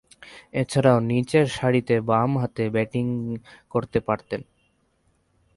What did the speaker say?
এছাড়াও, নিচেরসারিতে বামহাতে ব্যাটিং করতে পারতেন।